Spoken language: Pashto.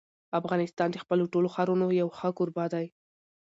افغانستان د خپلو ټولو ښارونو یو ښه کوربه دی.